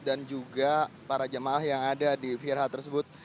dan juga para jemaah yang ada di firhat tersebut